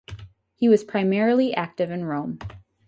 He was primarily active in Rome.